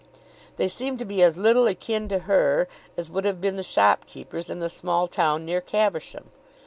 They seemed to be as little akin to her as would have been the shopkeepers in the small town near Caversham.